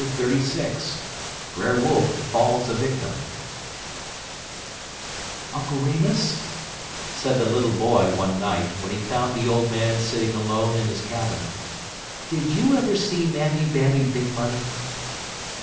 XXXVI BRER WOLF FALLS A VICTIM "Uncle Remus," said the little boy, one night, when he found the old man sitting alone in his cabin, "did you ever see Mammy Bammy Big Money?"